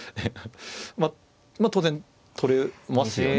まあ当然取りますよね。